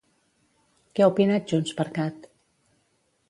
Què ha opinat JxCat?